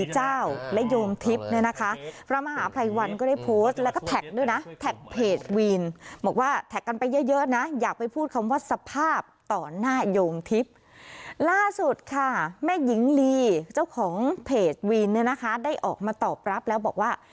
เจ้าของเพจวีนเนี่ยนะคะได้ออกมาตอบรับแล้วบอกว่า